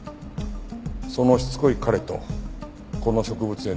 そのしつこい彼とこの植物園で再会した。